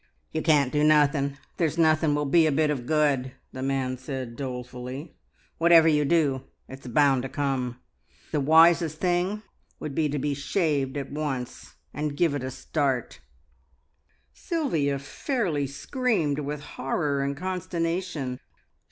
"You can't do nothing there's nothing will be a bit of good," the man said dolefully. "Whatever you do, it's bound to come. The wisest thing would be to be shaved at once, and give it a start." Sylvia fairly screamed with horror and consternation.